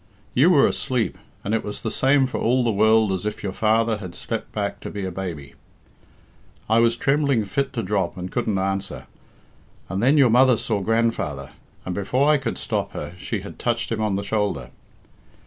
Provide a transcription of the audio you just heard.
You were asleep, and it was the same for all the world as if your father had slept back to be a baby. I was trembling fit to drop and couldn't answer, and then your mother saw grandfather, and before I could stop her she had touched him on the shoulder.